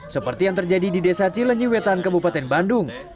seperti yang terjadi di desa cilenyi wetan kabupaten bandung